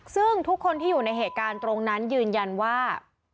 ซึ่งทุกคนที่อยู่ในเหตุการณ์ตรงนั้นยืนยันว่า